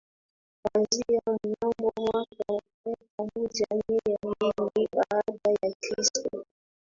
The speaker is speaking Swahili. kuanzia mnamo mwaka elfu moja mia mbili baada ya kristo